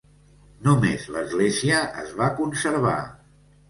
Només l'església es va conservar.